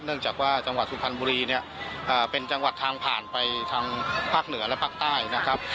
เนื่องจากว่าจังหวัดสุพรรณบุรีเนี่ยเป็นจังหวัดทางผ่านไปทางภาคเหนือและภาคใต้นะครับ